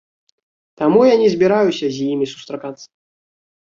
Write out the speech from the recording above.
Таму я не збіраюся з імі сустракацца!